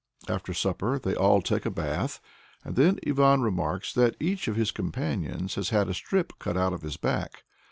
After supper they all take a bath, and then Ivan remarks that each of his companions has had a strip cut out of his back.